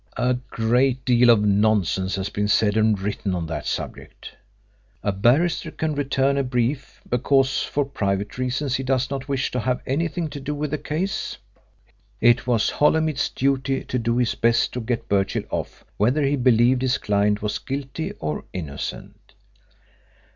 A great deal of nonsense has been said and written on that subject. A barrister can return a brief because for private reasons he does not wish to have anything to do with the case. It was Holymead's duty to do his best to get Birchill off whether he believed his client was guilty or innocent.